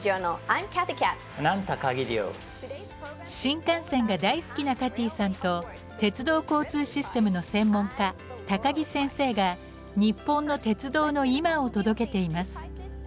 新幹線が大好きなカティーさんと鉄道交通システムの専門家高木先生が日本の鉄道の今を届けています。